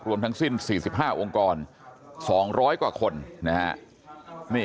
ทั้งสิ้น๔๕องค์กร๒๐๐กว่าคนนะฮะ